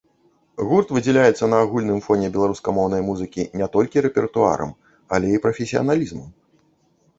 Гурт выдзяляецца на агульным фоне беларускамоўнай музыкі не толькі рэпертуарам, але і прафесіяналізмам.